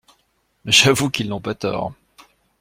J'avoue qu'ils n'ont pas tort.